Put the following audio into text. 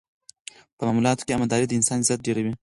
په معاملاتو کې امانتداري د انسان عزت ډېروي.